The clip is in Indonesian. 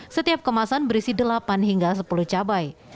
setiap kemasan berisi delapan hingga sepuluh cabai